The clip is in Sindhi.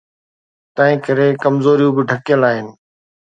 تنهنڪري ڪمزوريون به ڍڪيل آهن.